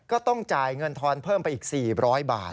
ก็ต้องจ่ายเงินทอนเพิ่มไปอีก๔๐๐บาท